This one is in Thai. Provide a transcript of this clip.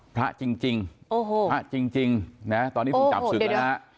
พระจริงจริงโอ้โหพระจริงจริงนะฮะตอนนี้ถึงจับสุดแล้วฮะ